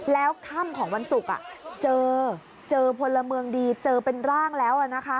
แล้วค่ำของวันศุกร์เจอเจอพลเมืองดีเจอเป็นร่างแล้วนะคะ